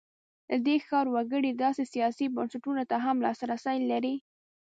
د دې ښار وګړي داسې سیاسي بنسټونو ته هم لاسرسی لري.